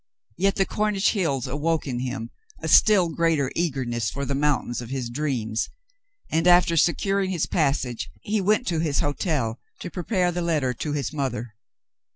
Yet the Cornish hills awoke in him a still greater eagerness for the mountains of his dreams, and, after securing his passage, he went to his hotel to prepare the letter to his mother.